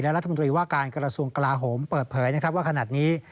และรัฐมนตรีว่าการกรสูงกราโหมเปิดเผยนะครับว่าขนาดนี้